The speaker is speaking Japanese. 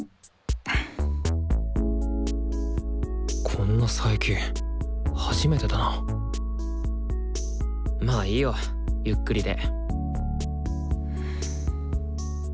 こんな佐伯初めてだなまあいいよゆっくりで。